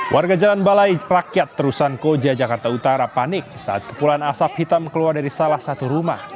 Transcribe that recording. warga jalan balai rakyat terusan koja jakarta utara panik saat kepulan asap hitam keluar dari salah satu rumah